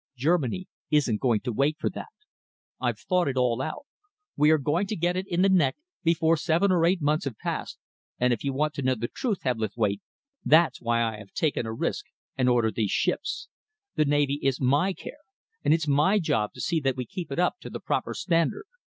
Germany isn't going to wait for that. I've thought it all out. We are going to get it in the neck before seven or eight months have passed, and if you want to know the truth, Hebblethwaite, that's why I have taken a risk and ordered these ships. The navy is my care, and it's my job to see that we keep it up to the proper standard.